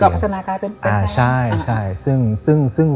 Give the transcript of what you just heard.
จากเปลือกอล์ฟพฟัฒนากายเป็นครัว